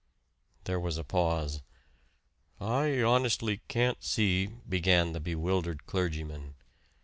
There was a pause. "I honestly can't see " began the bewildered clergyman.